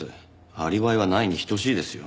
アリバイはないに等しいですよ。